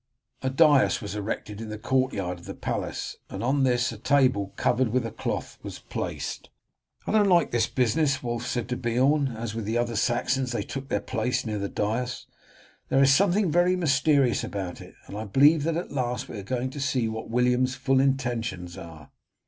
A dais was erected in the courtyard of the palace, and on this a table covered with a cloth was placed. "I don't like this business," Wulf said to Beorn, as with the other Saxons they took their place near the dais. "There is something very mysterious about it, and I believe that at last we are going to see what William's full intentions are."